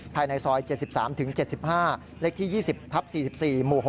ภายในซอย๗๓๗๕เลขที่๒๐ทับ๔๔หมู่๖